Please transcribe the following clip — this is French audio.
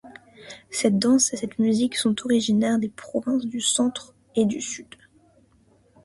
Cette danse et cette musique sont originaires des provinces du Centre et du Sud.